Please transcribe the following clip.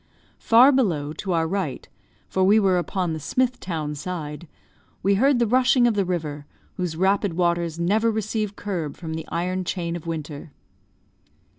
Far below, to our right (for we were upon the Smith town side) we heard the rushing of the river, whose rapid waters never receive curb from the iron chain of winter.